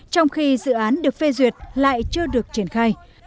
trong khi dự án được phê duyệt lại chưa được triển khai